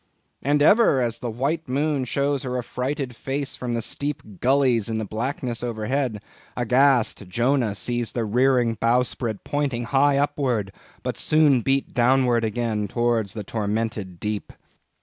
And ever, as the white moon shows her affrighted face from the steep gullies in the blackness overhead, aghast Jonah sees the rearing bowsprit pointing high upward, but soon beat downward again towards the tormented deep.